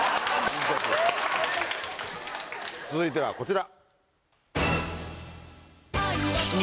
続いてはこちら。